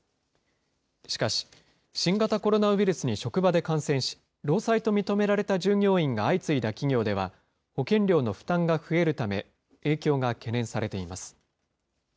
しかし、新型コロナウイルスに職場で感染し、労災と認められた従業員が相次いだ企業では、保険料の負担が増えるため、影響が懸念されています。